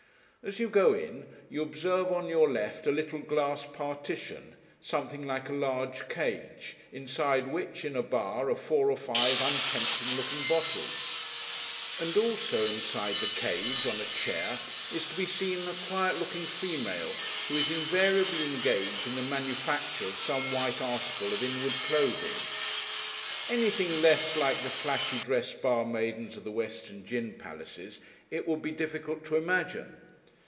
As you go in, you observe on your left a little glass partition, something like a large cage, inside which, in a bar, are four or five untempting looking bottles; and also inside the cage, on a chair, is to be seen a quiet looking female, who is invariably engaged in the manufacture of some white article of inward clothing. Anything less like the flashy dressed bar maidens of the western gin palaces it would be difficult to imagine.